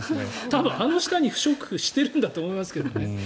多分あの下に不織布しているんだと思うんですけどね。